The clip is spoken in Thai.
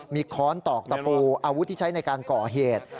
มีค้อนตอกตะปูอาวุธที่ใช้ในการก่อเหตุ